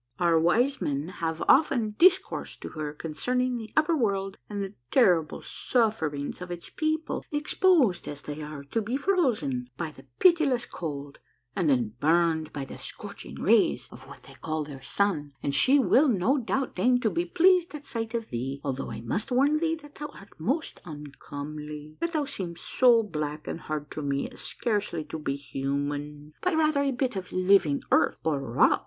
Our wise men have often dis coursed to her concerning the upper world and the terrible sufferings of its people, exposed as they are to be first frozen by the pitiless cold and then burned by the scorching rays of what they call their sun, and she will no doubt deign to be pleased at sight of thee, although I must warn thee that thou art most uncomely, that thou seemst so black and hard to me as scarcely to be human, but rather a bit of living earth or rock.